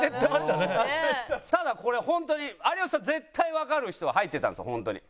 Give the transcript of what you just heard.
ただこれホントに有吉さん絶対わかる人が入ってたんですホントに。